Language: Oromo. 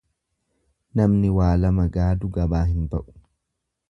Namni waa lama gaadu gabaa hin ba'u.